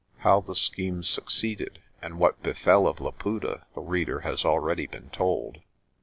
How the scheme succeeded and what befell of Laputa the reader has already been told.